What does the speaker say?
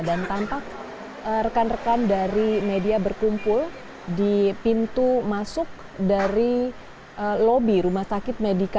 tampak rekan rekan dari media berkumpul di pintu masuk dari lobi rumah sakit medica